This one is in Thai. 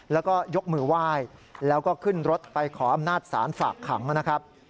แล้วก็ยกมือไหว้แล้วก็ขึ้นรถไปขออำนาจศาลฝากขังนะครับ